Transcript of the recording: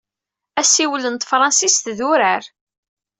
Assiwel n tefṛensist d urar.